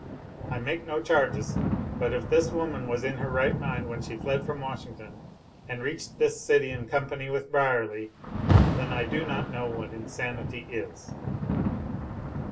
I make no charges, but if this woman was in her right mind when she fled from Washington and reached this city in company with Brierly, then I do not know what insanity is."